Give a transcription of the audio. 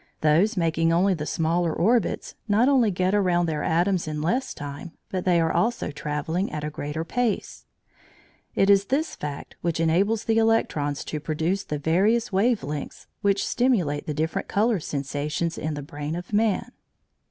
Those making only the smaller orbits not only get around their atoms in less time, but they are also travelling at a greater pace. It is this fact which enables the electrons to produce the various wave lengths which stimulate the different colour sensations in the brain of man.